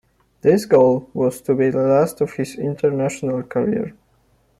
This goal was to be the last of his international career.